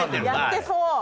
やってそう。